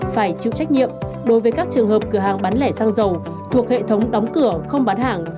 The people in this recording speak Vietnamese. phải chịu trách nhiệm đối với các trường hợp cửa hàng bán lẻ xăng dầu thuộc hệ thống đóng cửa không bán hàng